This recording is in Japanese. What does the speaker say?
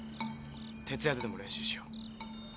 徹夜ででも練習しよう。